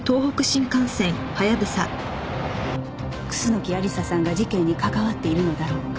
楠木亜理紗さんが事件に関わっているのだろうか？